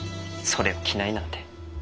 それを着ないなんて。